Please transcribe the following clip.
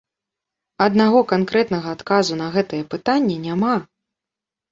Аднаго канкрэтнага адказу на гэтае пытанне няма.